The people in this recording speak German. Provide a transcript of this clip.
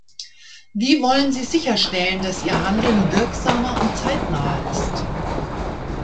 Wie wollen Sie sicherstellen, dass Ihr Handeln wirksamer und zeitnaher ist?